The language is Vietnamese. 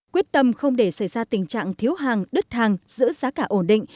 quyết tâm không để xảy ra tình trạng thiếu hàng đứt hàng giữ giá cả ổn định